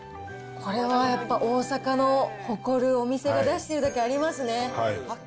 これはやっぱ、大阪の誇るお店が出してるだけありますね。